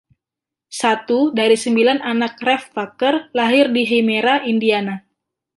Satu dari sembilan anak, Ralph Tucker lahir di Hymera, Indiana.